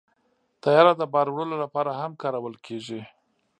طیاره د بار وړلو لپاره هم کارول کېږي.